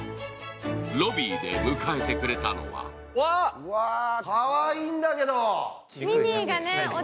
ロビーで迎えてくれたのはかわいいんだけど。